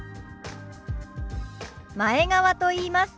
前川と言います。